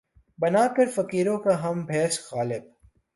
بنا کر فقیروں کا ہم بھیس، غالبؔ!